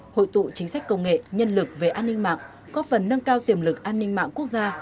hội tụ chính sách công nghệ nhân lực về an ninh mạng góp phần nâng cao tiềm lực an ninh mạng quốc gia